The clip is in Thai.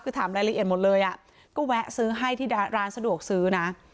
คือถามรายละเอียดหมดเลยอ่ะก็แวะซื้อให้ที่ร้านสะดวกซื้อนะ